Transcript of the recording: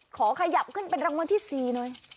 ขอขยับขึ้นเป็นรางวัลที่๔หน่อย